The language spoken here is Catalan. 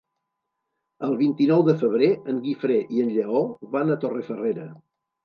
El vint-i-nou de febrer en Guifré i en Lleó van a Torrefarrera.